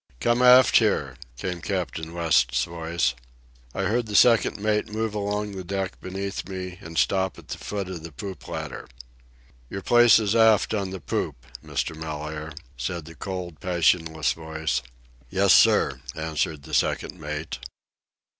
"Come aft here," came Captain West's voice. I heard the second mate move along the deck beneath me and stop at the foot of the poop ladder. "Your place is aft on the poop, Mr. Mellaire," said the cold, passionless voice. "Yes, sir," answered the second mate.